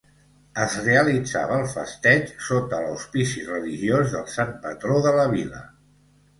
Es realitzava el festeig sota l'auspici religiós del sant patró de la vila.